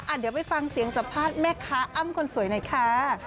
เดี๋ยวไปฟังเสียงสัมภาษณ์แม่ค้าอ้ำคนสวยหน่อยค่ะ